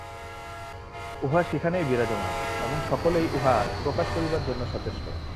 উহা সেখানেই বিরাজমান, এবং সকলেই উহা প্রকাশ করিবার জন্য সচেষ্ট।